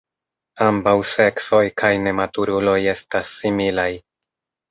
Ambaŭ seksoj kaj nematuruloj estas similaj.